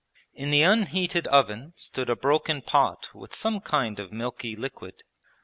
In the unheated oven stood a broken pot with some kind of milky liquid.